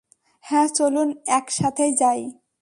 হ্যাঁ, চলুন একসাথেই যাই।